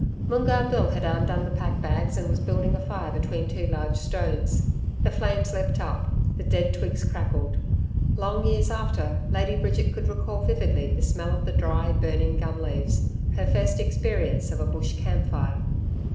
Moongarr Bill had undone the pack bags and was building a fire between two large stones. The flames leaped up, the dead twigs crackled. Long years after, Lady Bridget could recall vividly the smell of the dry burning gum leaves her first experience of a bush campfire.